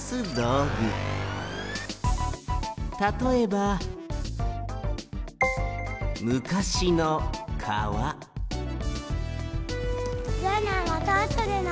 たとえばじゃあなまたあとでな。